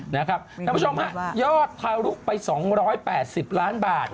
นะครับท่านผู้ชมค่ะยอดทารุกไป๒๘๐ล้านบาท